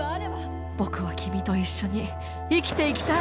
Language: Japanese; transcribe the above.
僕は君と一緒に生きていきたい。